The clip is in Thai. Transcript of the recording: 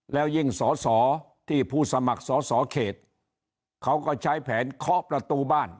แล้วยิ่งสอสอที่ผู้สมัครสอสอเขตเขาก็ใช้แผนเคาะประตูบ้าน